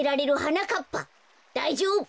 だいじょうぶ！